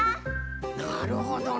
なるほどの。